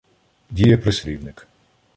Дієприслівник